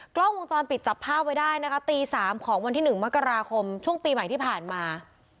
กล้องวงจรปิดจับภาพไว้ได้นะคะตี๓ของวันที่๑มกราคมช่วงปีใหม่ที่ผ่านมา